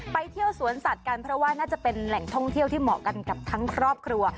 ไปเที่ยวสวนสัตว์กันเพราะว่าน่าจะเป็นแหล่งท่องเที่ยวที่เหมาะกันกับทั้งครอบครัว